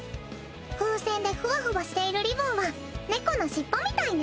風船でふわふわしているリボンは猫の尻尾みたいね。